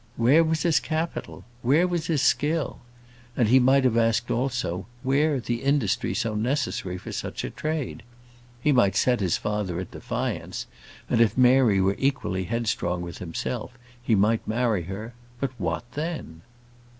Where was his capital? Where his skill? and he might have asked also, where the industry so necessary for such a trade? He might set his father at defiance, and if Mary were equally headstrong with himself, he might marry her. But, what then?